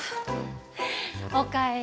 お帰り。